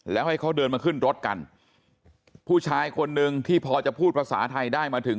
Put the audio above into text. แล้วให้เขาเดินมาขึ้นรถกันผู้ชายคนนึงที่พอจะพูดภาษาไทยได้มาถึง